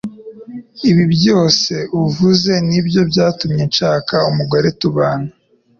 ibi byose uvuze nibyo byatumye nshaka umugore tubana.